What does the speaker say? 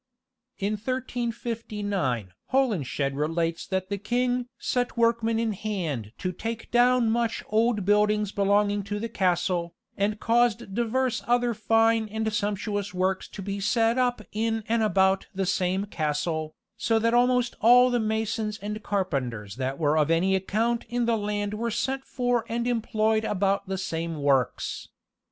In 1359 Holinshed relates that the king "set workmen in hand to take down much old buildings belonging to the castle, and caused divers other fine and sumptuous works to be set up in and about the same castle, so that almost all the masons and carpenters that were of any account in the land were sent for and employed about the same works."